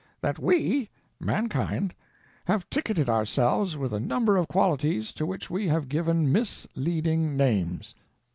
That we (mankind) have ticketed ourselves with a number of qualities to which we have given misleading names.